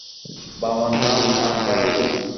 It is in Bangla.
বাবার নাম আনছার আলী।